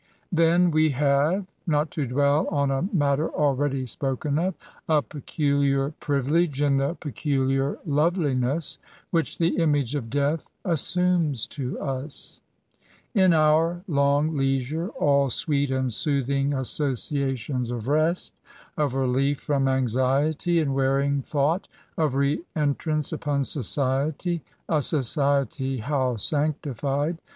Then we have (not to dwell on a matter already spoken of) a peculiar privilege in the peculiiur GAINS AND PBIVILEGES. 205 loTeliness which the image of Death assumes to us. In our long leisure^ all sweet and soothing associa tions of rest,— of relief froih anxiety and wearing thought, — of re entrance upon society, — (a society how sanctified